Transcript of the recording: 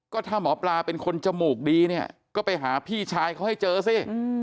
ก็ถ้าหมอปลาเป็นคนจมูกดีเนี่ยก็ไปหาพี่ชายเขาให้เจอสิ